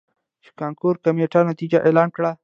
،چې کانکور کميټې نتايج اعلان کړل.